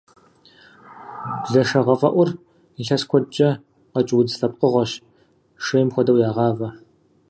Блэшэгъэфӏэӏур илъэс куэдкӏэ къэкӏ удз лъэпкъыгъуэщ, шейм хуэдэу ягъавэ.